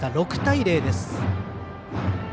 ６対０です。